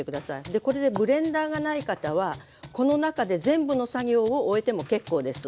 でこれでブレンダーがない方はこの中で全部の作業を終えても結構です。